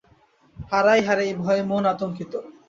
হারাই হারাই ভয়ে মন আতঙ্কিত।